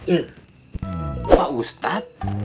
eh pak ustad